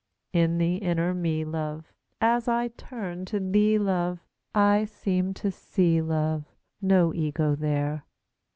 In the inner Me, love, As I turn to thee, love, I seem to see, love, No Ego there.